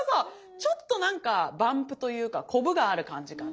ちょっとなんかバンプというかこぶがある感じかな。